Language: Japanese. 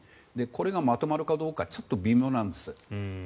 これがまとまるかどうかちょっと微妙なんです。